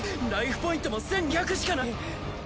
ポイントも１２００しかない。